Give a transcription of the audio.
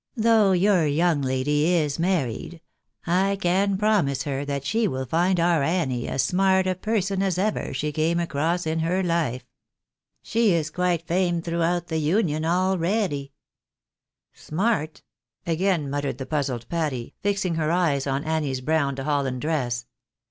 " Though your young lady is 'married, I can promise her that she will find our Annie as smart a person as ever she came across in her life. She is quite famed throughout the Union, already." VEEV NATURAL MISTAKES. 43 " Smart ?" again muttered the puzzled Patty, fixing her eyes on Annie's brown holland dress.